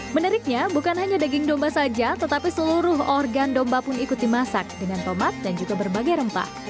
menariknya bukan hanya daging domba saja tetapi seluruh organ domba pun ikut dimasak dengan tomat dan juga berbagai rempah